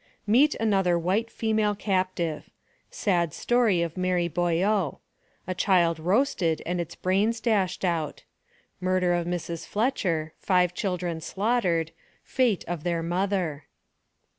MEET ANOTHER WHITE FEMALE CAPTIVE SAD STORY OF MARY BOYEAU A CHILD ROASTED AND ITS BRAINS CASHED OUT MURDER OF MRS. FLETCHER FIVE CHILDREN SLAUGHTERED FATE OF THEIR MOTHER.